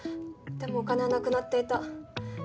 でもお金はなくなっていた。